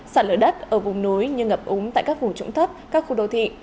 sản lửa đất ở vùng núi như ngập úng tại các vùng trụng thấp các khu đô thị